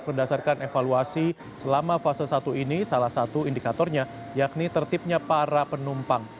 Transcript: berdasarkan evaluasi selama fase satu ini salah satu indikatornya yakni tertibnya para penumpang